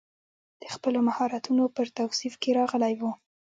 د خپلو مهارتونو پر توصیف کې راغلی و.